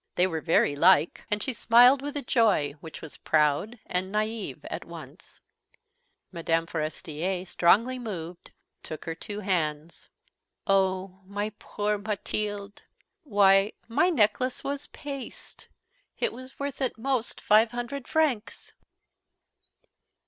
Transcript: They were very like." And she smiled with a joy which was proud and naïve at once. Mme. Forestier, strongly moved, took her two hands. "Oh, my poor Mathilde! Why, my necklace was paste. It was worth at most five hundred francs!"